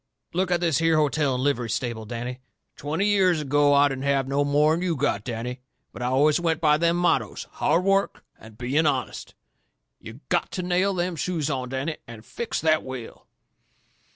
Look at this here hotel and livery stable, Danny. Twenty years ago I didn't have no more'n you've got, Danny. But I always went by them mottoes hard work and being honest. You GOTTO nail them shoes on, Danny, and fix that wheel."